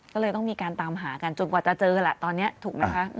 ก็เลยต้องมีการตามหากันจนกว่าจะเจอแหละตอนนี้ถูกไหมคะ